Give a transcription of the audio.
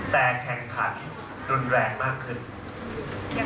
แต่แข่งขันรุนแรงมากขึ้น